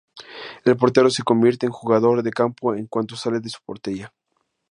El portero se convierte en jugador de campo en cuanto sale de su portería.